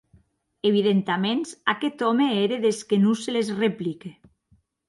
Evidentaments aqueth òme ère des que non se les replique.